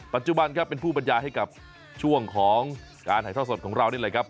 ปัจจุบันเป็นผู้ปัญญาให้กับช่วงของการหายท่อสดของเรานี่เลยครับ